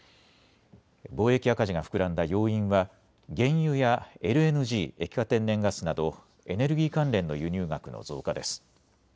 貿易赤字が膨らんだ要因は原油やＬＮＧ・液化天然ガスなどエネルギー関連の輸入額の増加です。